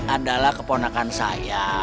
adalah keponakan saya